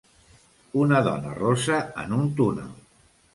Una dona rossa en un túnel.